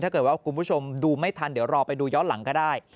ถ้าเกิดว่าคุณผู้ชมดูไม่ทันเดี๋ยวรอไปดูย้อนหลังก็ได้